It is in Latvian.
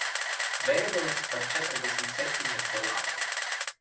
Mēbeles par četrdesmit septiņiem dolāriem.